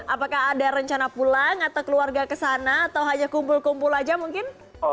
apakah ada rencana pulang atau keluarga ke sana atau hanya kumpul kumpul aja mungkin